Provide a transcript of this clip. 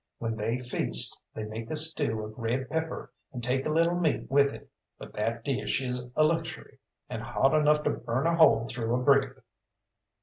When they feast they make a stew of red pepper, and take a little meat with it; but that dish is a luxury, and hot enough to burn a hole through a brick.